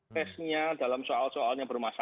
tesnya dalam soal soalnya bermasalah